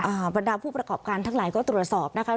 บรรดาผู้ประกอบการทั้งหลายก็ตรวจสอบนะคะ